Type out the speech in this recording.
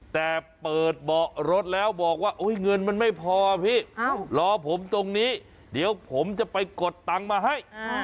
แต่เปิดเบาะรถแล้วบอกว่าเงินมันไม่พอพี่รอผมตรงนี้เดี๋ยวผมจะไปกดตังค์มาให้